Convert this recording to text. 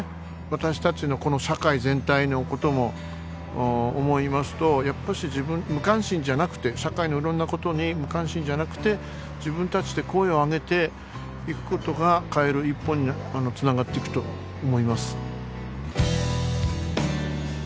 私たちのこの社会全体のことも思いますとやっぱり自分無関心じゃなくて社会のいろんなことに無関心じゃなくて自分たちで声を上げていくことが変える一歩につながっていくと思います。